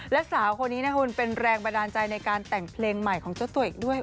และสาวคนนี้นะคุณเป็นแรงบันดาลใจในการแต่งเพลงใหม่ของเจ้าตัวเองด้วย